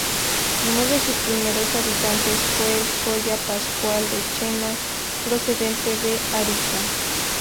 Uno de sus primeros habitantes fue el colla Pascual de Chena, procedente de Arica.